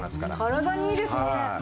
体にいいですもんね。